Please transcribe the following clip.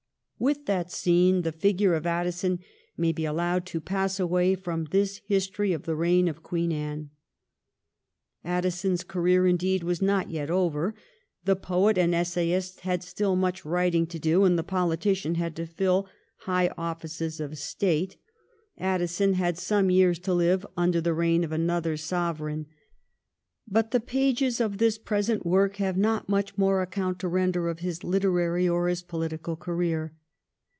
With that scene the figure of Addison may be allowed to pass away from this history of the reign of Queen Anne. Addison's career, indeed, was not yet over. The poet and essayist had still much writing to do, and the politician had to fill high ofiices of State. Addison had some years to live under the reign of another Sovereign. But the pages of this present work have not much more account to render of his literary or his political career.